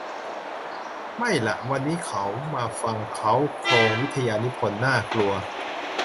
ไม่ล่ะ วันนี้เขามาฟังเค้าโครงวิทยานิพนธ์ น่ากลัว